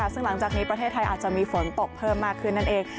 ซึ่งหลังจากนี้ประเทศไทยอาจจะมีฝนตกเพิ่มมากขึ้นนั่นเอง